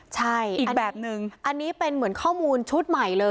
ใช่อันนี้เป็นเหมือนข้อมูลชุดใหม่เลย